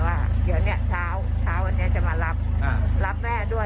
รับแม่ด้วยรับพี่ไปตรวจด้วยข้างหลังเองแต่ลูกพี่ไปไปแล้ว